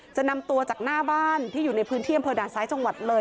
จะนำตัวจากหน้าบ้านที่อยู่ในพื้นเที่ยงอันไทยจังหวัดเลย